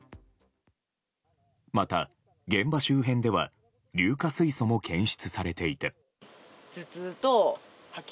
また、現場周辺では硫化水素も検出されていて。